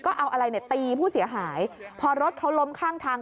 ก็เอาอะไรเนี่ยตีผู้เสียหายพอรถเขาล้มข้างทาง